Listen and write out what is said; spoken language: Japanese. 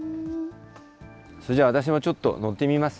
それじゃあ、私もちょっと乗ってみます。